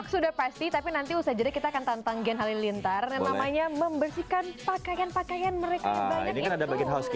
sudah pasti tapi nanti usah jadi kita akan tantang gen halilintar yang namanya membersihkan pakaian pakaian mereka yang banyak itu